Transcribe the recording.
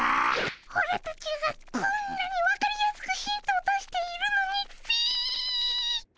オラたちがこんなに分かりやすくヒントを出しているのにっピィ。